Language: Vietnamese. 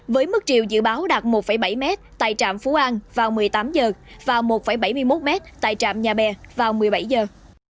với mức chiều dự báo đạt một bảy m tại trạm phú an vào một mươi tám giờ và một bảy mươi một m tại trạm nhà bè vào một mươi bảy giờ